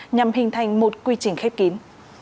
nhằm hình thành một quy trình khép kín